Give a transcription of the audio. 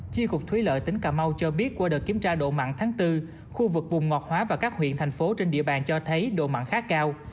chi cục thúy lợi tỉnh cà mau cho biết qua đợt kiểm tra độ mặn tháng bốn khu vực vùng ngọt hóa và các huyện thành phố trên địa bàn cho thấy độ mặn khá cao